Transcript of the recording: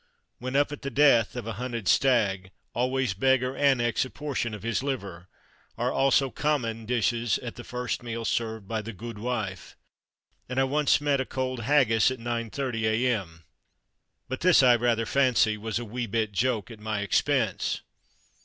_ When up at the death of a hunted stag, always beg or annex a portion of his liver are also common dishes at the first meal served by the "gudewife"; and I once met a cold haggis at 9.30 A.M. But this, I rather fancy, was "a wee bit joke" at my expense.